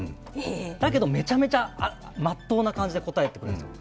だけどめちゃめちゃ、真っ当な感じで答えが出てくるんですよ。